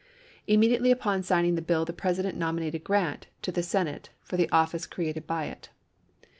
Immediately upon signing the isei, p. ih. bill the President nominated Grant to the Senate for the office created by it.